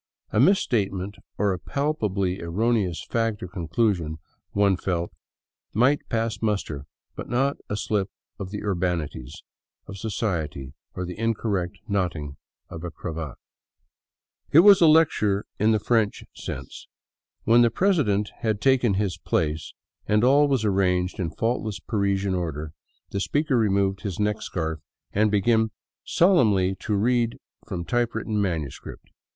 A mis statement or a palpably erroneous fact or conclusion, one felt, might pass muster, but not a slip in the " urbanities " of society or the in correct knotting of a cravat. It was a " lecture " in the French sense. When the president had taken his place and all was arranged in faultless Parisian order, the speaker removed his neck scarf and began solemnly to read from type written manuscript.